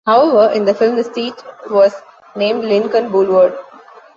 However, in the film, the street was named "Lincoln Boulevard".